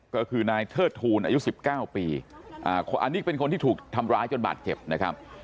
ก็คือนายเทิดทูลอายุ๑๙ปีอันนี้เป็นคนที่ถูกทำร้ายจนบาดเจ็บนะครับ